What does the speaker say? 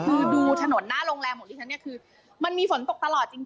คือดูถนนหน้าโรงแรมของดิฉันเนี่ยคือมันมีฝนตกตลอดจริง